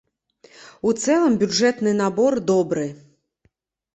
У цэлым бюджэтны набор добры.